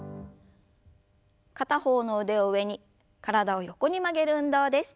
片方の腕を上に体を横に曲げる運動です。